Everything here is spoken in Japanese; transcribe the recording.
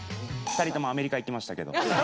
２人ともアメリカ行きましたけど。